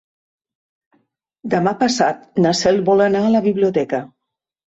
Demà passat na Cel vol anar a la biblioteca.